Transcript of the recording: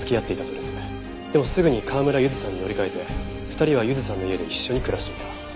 でもすぐに川村ゆずさんに乗り換えて２人はゆずさんの家で一緒に暮らしていた。